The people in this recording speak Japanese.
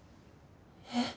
えっ？